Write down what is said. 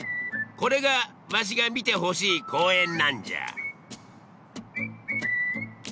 これがワシが見てほしい公園なんじゃ。